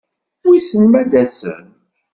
Wissen ma ad-asen?